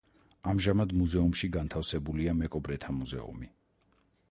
ამჟამად მუზეუმში განთავსებულია მეკობრეთა მუზეუმი.